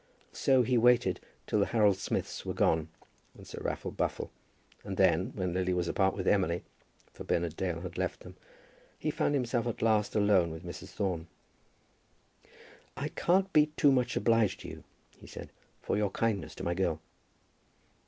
So he waited till the Harold Smiths were gone, and Sir Raffle Buffle, and then, when Lily was apart with Emily, for Bernard Dale had left them, he found himself at last alone with Mrs. Thorne. "I can't be too much obliged to you," he said, "for your kindness to my girl."